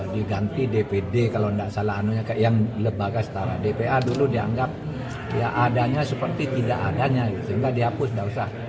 diganti dpd kalau tidak salah yang lembaga setara dpa dulu dianggap ya adanya seperti tidak adanya sehingga dihapus tidak usah